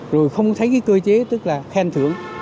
rồi không thấy cái cơ chế tức là khen thưởng